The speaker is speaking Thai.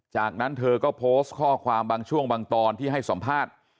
จากนั้นเธอก็โพสต์ข้อความบางช่วงบางตอนที่ให้สัมภาษณ์